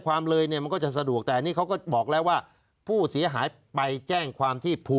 ความเลยเนี่ยมันก็จะสะดวกแต่อันนี้เขาก็บอกแล้วว่า